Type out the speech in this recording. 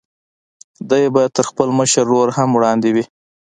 دی به تر خپل مشر ورور هم وړاندې وي.